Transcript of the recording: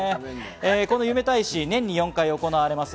この夢大使、年に４回行われます